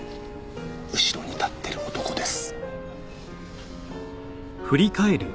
後ろに立ってる男です。